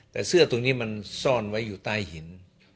แต่เสื้อตัวนี้มันซ่อนไว้อยู่ใต้หิน